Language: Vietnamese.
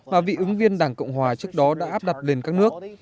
mà vị ứng viên đảng cộng hòa trước đó đã áp đặt lên các nước